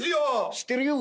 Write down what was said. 知ってるよ。